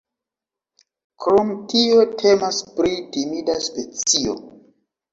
Krom tio temas pri timida specio.